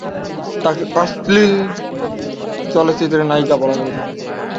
তাকে অশ্লীল চলচ্চিত্রের নায়িকা বলা হয়ে থাকে।